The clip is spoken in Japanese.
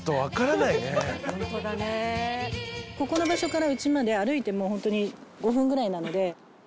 ここの場所からうちまで歩いてホントに５分ぐらいなので。